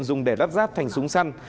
dùng để lắp ráp thành súng săn